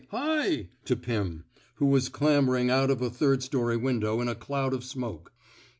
Hi!" to Pirn, who was clambering out of a third story window in a cloud of smoke.